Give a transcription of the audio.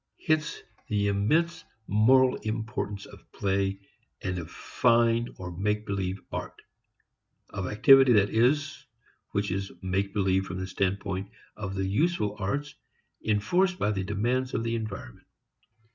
Hence the immense moral importance of play and of fine, or make believe, art of activity, that is, which is make believe from the standpoint of the useful arts enforced by the demands of the environment.